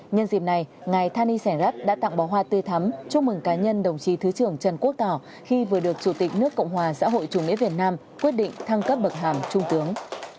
nhân dịp này ngài thani sẻ rad đã tặng bò hoa tươi thắm chúc mừng cá nhân đồng chí thứ trưởng trần quốc tỏ khi vừa được chủ tịch nước cộng hòa xã hội chủ nghĩa việt nam quyết định thăng cấp bậc hàm trung tướng